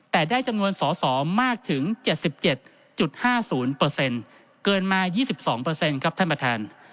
แต่ได้จำนวนสอสอมากถึง๗๗๕๐เกินมา๒๒ครับท่านประธาน